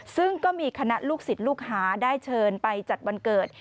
ซึ่งก็มีคณะลูกศิษย์ลูกหาได้เชิญไปจัดวันเกิด